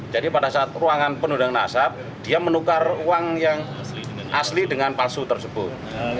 jadi pada saat ruangan penuhi dengan asap dia menukar uang yang asli dengan palsu tersebut